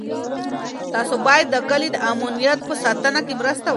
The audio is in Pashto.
تاسو باید د کلي د امنیت په ساتنه کې مرسته وکړئ.